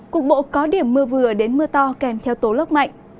cục bộ có điểm mưa vừa đến mưa to kèm theo tố lốc mạnh